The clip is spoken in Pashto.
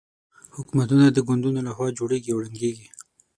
حکومتونه د ګوندونو له خوا جوړېږي او ړنګېږي.